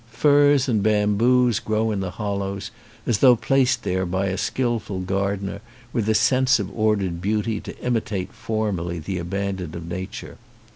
Firs and bamboos grow in the hollows as though placed there by a skilful gardener with a sense of ordered beauty to imitate formally the abandon of nature.